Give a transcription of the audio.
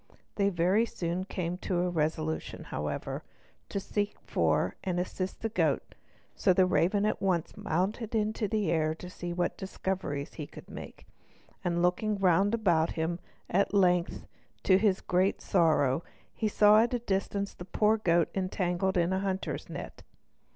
They very soon came to a resolution, however, to seek for and assist the goat, so the raven at once mounted into the air to see what discoveries he could make; and looking round about him, at length, to his great sorrow, saw at a distance the poor goat entangled in a hunter's net.